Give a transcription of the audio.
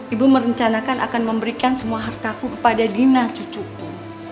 ibu merencanakan akan memberikan semua hartaku kepada dina cucuku